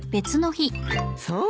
そう。